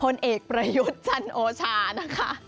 กลายเป็นประเพณีที่สืบทอดมาอย่างยาวนาน